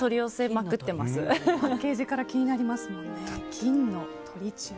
パッケージから気になりますもんね。